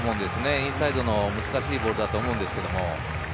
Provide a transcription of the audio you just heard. インサイドの難しいボールだと思うんですけど。